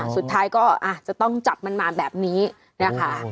สุดท้ายก็จะต้องจับมันมาแบบนี้นะคะ